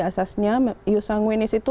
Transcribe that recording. asasnya yusang wines itu